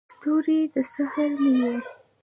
ستوری، د سحر مې یې